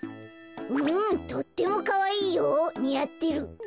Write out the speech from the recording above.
うんとってもかわいいよにあってる。